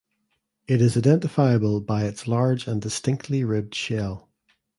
It is identifiable by its large and distinctly ribbed shell.